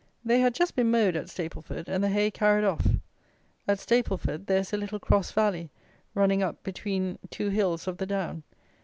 They had just been mowed at Stapleford, and the hay carried off. At Stapleford, there is a little cross valley, running up between two hills of the down.